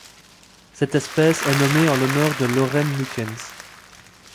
Cette espèce est nommée en l'honneur de Loren Lukens.